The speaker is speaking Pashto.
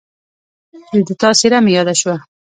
د تا څېره مې یاده شوه